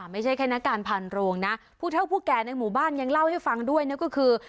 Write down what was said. ไม่ใช่แค่นักการพันโรงนะผู้เท่าผู้แก่ในหมู่บ้านยังเล่าให้ฟังด้วยนะก็คือ